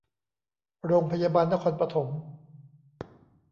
โรงพยาบาลนครปฐม